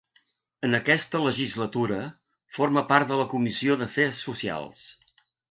En aquesta legislatura forma part de la comissió d'afers socials.